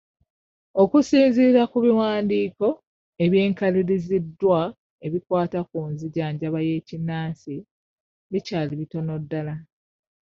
Okusinziira ku biwandiiko ebyekaliriziddwa ebikwata ku nzijanjaba y'ekinnansi bikyali bitono ddala.